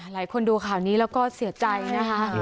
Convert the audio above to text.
หลายคนดูข่าวนี้แล้วก็เสียใจนะคะ